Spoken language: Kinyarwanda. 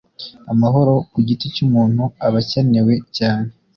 amahoro ku giti cy’umuntu aba akenewe cyane